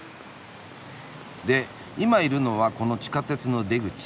で今いるのはこの地下鉄の出口。